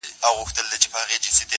چي د کوچ خبر یې جام د اجل راسي!